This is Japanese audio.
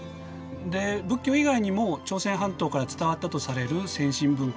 で仏教以外にも朝鮮半島から伝わったとされる先進文化に漢字もありました。